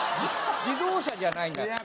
自動車じゃないんだ。